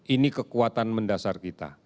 ini kekuatan mendasar kita